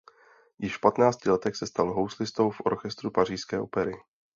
Již v patnácti letech se stal houslistou v orchestru pařížské Opery.